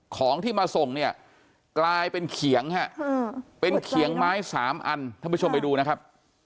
ของที่มาส่งเนี่ยกลายเป็นเขียงฮะเป็นเขียงไม้๓อันท่านผู้ชมไปดูนะครับ